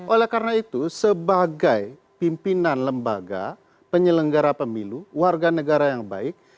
oleh karena itu sebagai pimpinan lembaga penyelenggara pemilu warga negara yang baik